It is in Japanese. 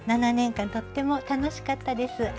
７年間とっても楽しかったです。